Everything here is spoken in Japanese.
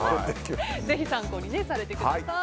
ぜひ参考にされてください。